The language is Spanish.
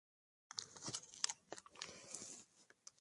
Le acompañan en la presentación Aitor Trigos y Eva González.